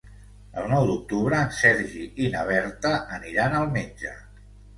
El nou d'octubre en Sergi i na Berta aniran al metge.